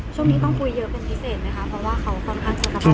ช่วงนี้ต้องคุยเยอะเป็นพิเศษไหมคะเพราะว่าเขาค่อนข้างจะลำบาก